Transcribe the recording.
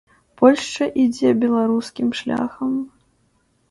Польшча ідзе беларускім шляхам.